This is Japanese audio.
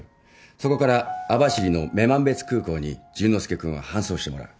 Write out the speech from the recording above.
そこから網走の女満別空港に淳之介君を搬送してもらう。